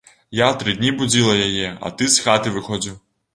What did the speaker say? Я тры дні будзіла яе, а ты з хаты выходзіў.